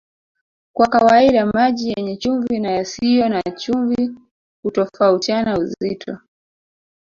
Kwa kawaida maji yenye chumvi na yasiyo na chumvi hutofautiana uzito